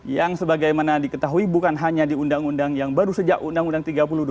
yang sebagaimana diketahui bukan hanya di undang undang yang baru sejak undang undang tiga puluh dua